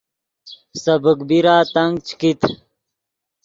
سبیک بیرا تنگ چے کیت